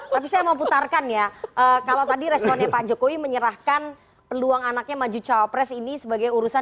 tapi saya mau putarkan ya kalau tadi responnya pak jokowi menyerahkan peluang anaknya maju cawapres ini sebagai urusan